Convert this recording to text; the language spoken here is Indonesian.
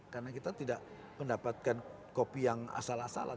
karena kita tidak mendapatkan kopi yang asal asalan